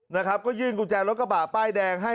นะครับก็ยื่นกุญแจรถกระบะป้ายแดงให้